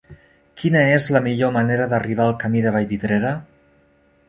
Quina és la millor manera d'arribar al camí de Vallvidrera?